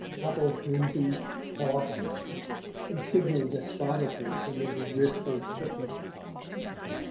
Popple crimsoned, coughed, and signalled despotically to Mrs. Driscoll's footman.